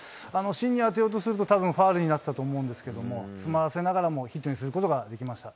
芯に当てようとすると、たぶんファウルになってたと思うんですけど、詰まらせながらもヒットにすることができました。